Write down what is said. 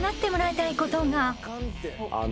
あの。